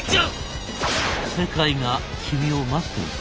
「世界が君を待ってるぞ」。